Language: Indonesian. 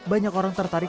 banyak orang tertarik